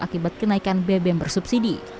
akibat kenaikan bbm bersubsidi